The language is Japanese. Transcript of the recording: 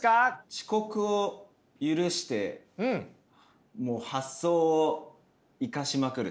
遅刻を許してもう発想を生かしまくる。